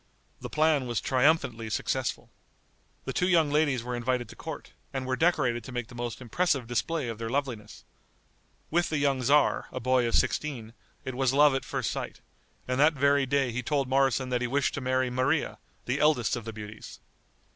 The plan was triumphantly successful. The two young ladies were invited to court, and were decorated to make the most impressive display of their loveliness. With the young tzar, a boy of sixteen, it was love at first sight, and that very day he told Moroson that he wished to marry Maria, the eldest of the beauties.